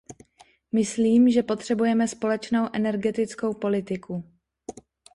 Myslím, že potřebujeme společnou energetickou politiku.